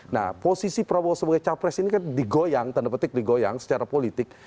nah posisi prabowo sebagai capres ini kan digoyang tanda petik digoyang secara politik